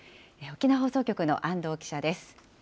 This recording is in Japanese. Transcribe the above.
沖縄放送局の安藤記者です。